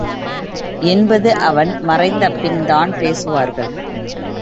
என்பது அவன் மறைந்தபின்தான் பேசுவார்கள்.